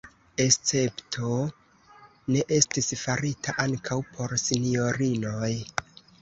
Escepto ne estis farita ankaŭ por sinjorinoj.